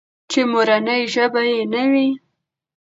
چې مورنۍ ژبه يې نه وي.